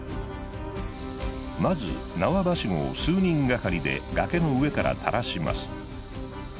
まず縄ばしごを数人がかりで崖の上から垂らします。